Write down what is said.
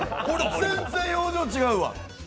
全然表情違うわ。